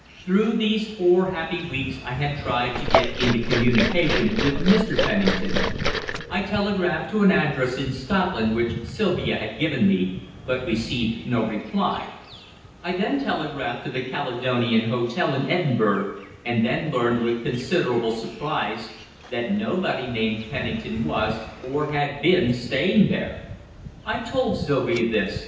Through those four happy weeks I had tried to get into communication with Mr. Pennington. I telegraphed to an address in Scotland which Sylvia had given me, but received no reply. I then telegraphed to the Caledonian Hotel in Edinburgh, and then learned, with considerable surprise, that nobody named Pennington was, or had been, staying there. I told Sylvia this.